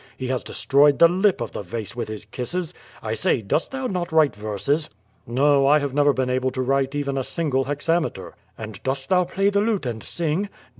He has destroyed the lip of the vase with his kisses. I say, dost thou not write verses?" ^^o, I have never been able to write even a single hexa metre." "And dost thou play the lute and sing?"